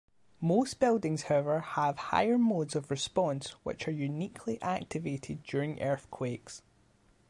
Most buildings, however, have higher modes of response, which are uniquely activated during earthquakes.